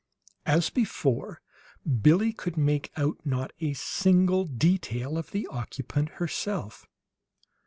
As before, Billie could make out not a single detail of the occupant herself.